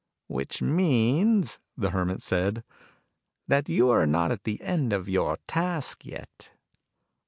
"Which means," the Hermit said, "that you're not at the end of your task yet."